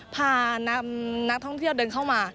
พานำนักท่องเที่ยวเดินเข้ามา